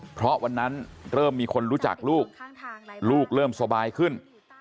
เพราะวันนั้นเริ่มมีคนรู้จักลูกลูกเริ่มสบายขึ้น